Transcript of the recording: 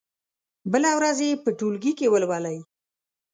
بله ورځ يې په ټولګي کې ولولئ.